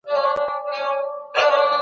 کتاب او ټولنه خپلمنځي ژوره اړيکه لري.